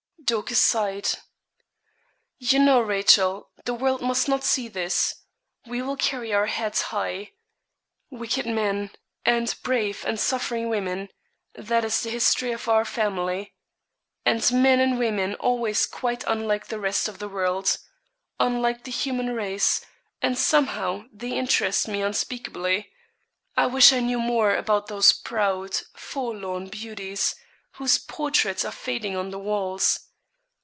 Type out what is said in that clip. Dorcas sighed. 'You know, Rachel, the world must not see this we will carry our heads high. Wicked men, and brave and suffering women that is the history of our family and men and women always quite unlike the rest of the world unlike the human race; and somehow they interest me unspeakably. I wish I knew more about those proud, forlorn beauties, whose portraits are fading on the walls.